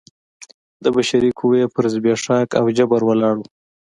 د بشري قوې پر زبېښاک او جبر ولاړ و.